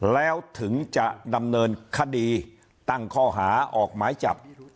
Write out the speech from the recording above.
แล้วถึงจะดำเนินคดีตั้งข้อหาออกหมายจับ